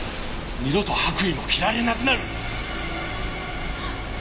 二度と白衣も着られなくなる。